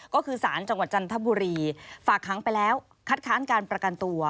ก็คือสารจังหวัดจันทบุรีฝากค้างไปแล้วคัดค้านการประกันตัว